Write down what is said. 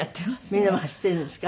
みんなも走っているんですか？